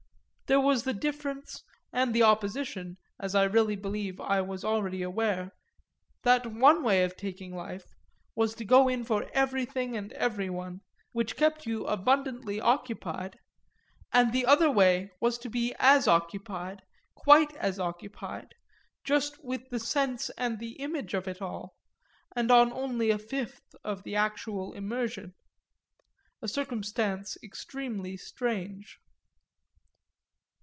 There was the difference and the opposition, as I really believe I was already aware that one way of taking life was to go in for everything and everyone, which kept you abundantly occupied, and the other way was to be as occupied, quite as occupied, just with the sense and the image of it all, and on only a fifth of the actual immersion: a circumstance extremely strange.